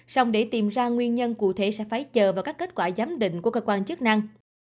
xong để tìm ra nguyên nhân cụ thể sẽ phải chờ vào các kết quả giám định của cơ quan chức năng